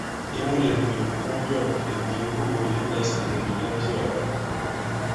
I mulèmlèm mu byɔ̑ŋ kì ndi ŋgugù yi lǎs i iɓɔ̀ndò labyɔ̀ɔ̀.